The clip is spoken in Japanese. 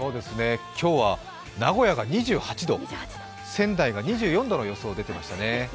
今日は名古屋が２８度仙台が２４度の予想が出ていました。